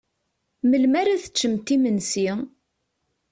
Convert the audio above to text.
Melmi ara teččent imensi?